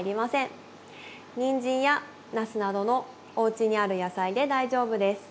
ニンジンやナスなどのおうちにある野菜で大丈夫です。